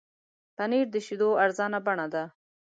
پنېر د شیدو ارزانه بڼه ده.